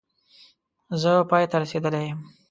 زه پای ته رسېدلی یم